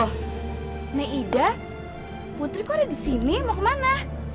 loh nek ida putri kok ada disini mau kemana